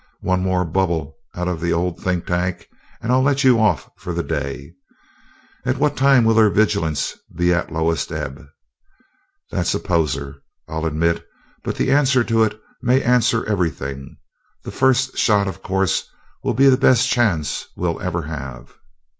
One more bubble out of the old think tank and I'll let you off for the day. At what time will their vigilance be at lowest ebb? That's a poser, I'll admit, but the answer to it may answer everything the first shot will, of course, be the best chance we'll ever have."